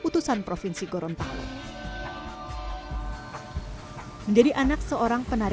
terus ayah bilang yaudah